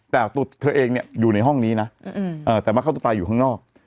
แต่ตัวเธอเองเนี่ยอยู่ในห้องนี้นะแต่มาฆ่าตัวตายอยู่ข้างนอก